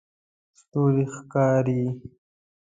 ستوری ښکاري